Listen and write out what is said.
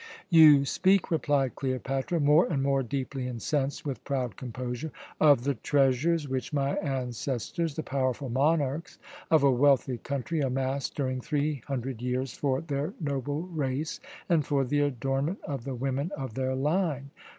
"You speak," replied Cleopatra, more and more deeply incensed, with proud composure, "of the treasures which my ancestors, the powerful monarchs of a wealthy country, amassed during three hundred years for their noble race and for the adornment of the women of their line.